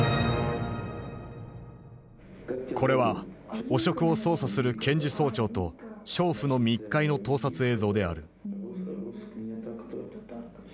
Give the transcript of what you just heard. これは汚職を捜査する検事総長と娼婦の密会の盗撮映像である。